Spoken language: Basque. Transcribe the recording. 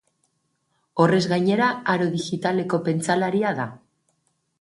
Horrez gainera, aro digitaleko pentsalaria da.